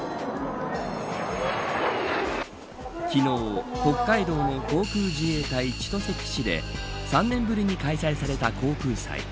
昨日、北海道の航空自衛隊千歳基地で３年ぶりに開催された航空祭。